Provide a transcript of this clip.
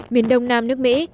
miền đông nam nước mỹ